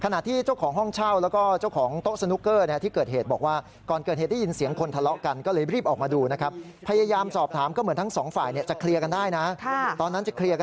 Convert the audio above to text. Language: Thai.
นี่เมื่อกี้ที่เขาเจ็บนะ